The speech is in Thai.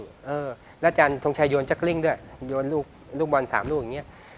เออแล้วอาจารย์ทงชัยโยนจักรลิ้งด้วยโยนลูกลูกบอล๓ลูกอย่างนี้